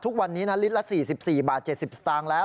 ทุกวันนี้นะลิตรละ๔๔บาท๗๐สตางค์แล้ว